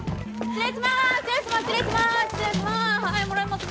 失礼します。